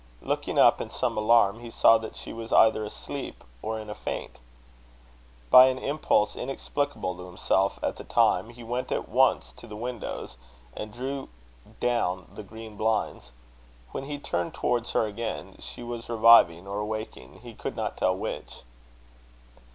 Looking up in some alarm, he saw that she was either asleep or in a faint. By an impulse inexplicable to himself at the time, he went at once to the windows, and drew down the green blinds. When he turned towards her again, she was reviving or awaking, he could not tell which.